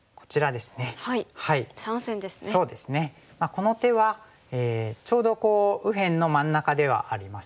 この手はちょうど右辺の真ん中ではありますよね。